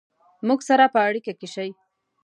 مونږ سره په اړیکه کې شئ